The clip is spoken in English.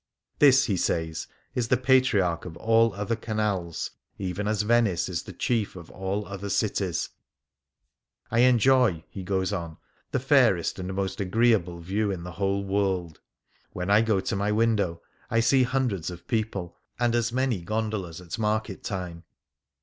" This," he says, " is the Patriarch of all other canals, even as Venice is the chief of all other cities. I enjoy," he goes on, " the fairest and most agreeable view in the whole world. When I go to my window, I see hundreds of people and as many gondolas at market time.